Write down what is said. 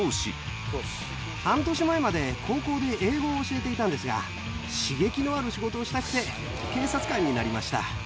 半年前まで高校で英語を教えていたんですが、刺激のある仕事をしたくて、警察官になりました。